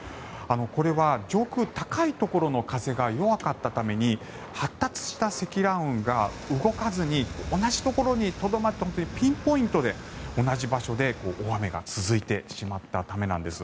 これは上空、高いところの風が弱かったために発達した積乱雲が動かずに同じところにとどまってピンポイントで同じ場所で大雨が続いてしまったためなんです。